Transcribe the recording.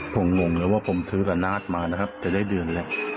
ผมงงเลยว่าผมซื้อร้านนาดมานะครับจะได้เดือนแหละ